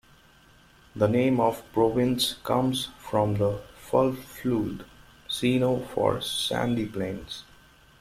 The name of the province comes from the Fulfulde "seeno", for "sandy plain.